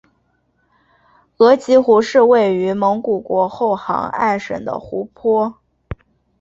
额吉湖是位于蒙古国后杭爱省的湖泊。